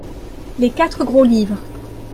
Les quatre gros livres.